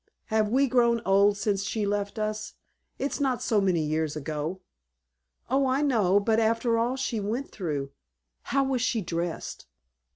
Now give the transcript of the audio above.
Have we grown old since she left us? It's not so many years ago?" "Oh, I know. But after all she went through.... How was she dressed?"